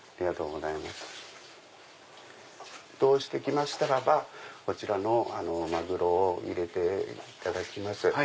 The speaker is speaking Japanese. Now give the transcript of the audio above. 沸騰して来ましたらばこちらのマグロを入れていただきます。